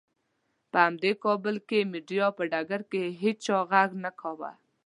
په همدې کابل کې مېډیا په ډګر کې هېچا غږ نه کاوه.